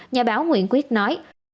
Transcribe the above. nhà báo nguyễn quyết nói